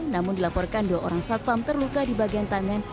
namun dilaporkan dua orang satpam terluka di bagian tangan